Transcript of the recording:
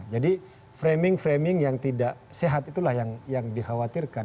jadi framing framing yang tidak sehat itulah yang dikhawatirkan